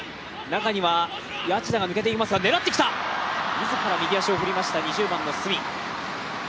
自ら右足を振りました２０番の角。